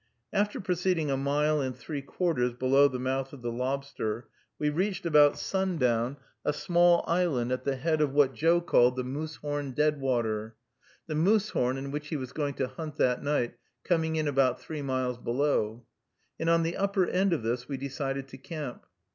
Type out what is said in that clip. After proceeding a mile and three quarters below the mouth of the Lobster, we reached, about sundown, a small island at the head of what Joe called the Moosehorn Deadwater (the Moosehorn, in which he was going to hunt that night, coming in about three miles below), and on the upper end of this we decided to camp.